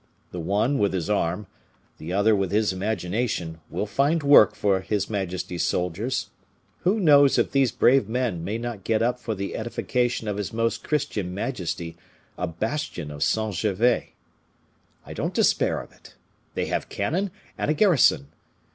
The one with his arm, the other with his imagination, will find work for his majesty's soldiers. Who knows if these brave men may not get up for the edification of his most Christian majesty a little bastion of Saint Gervais! I don't despair of it. They have cannon and a garrison.